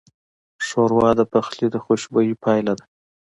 ښوروا د پخلي د خوشبویۍ پایله ده.